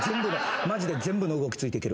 マジで全部の動きついていける。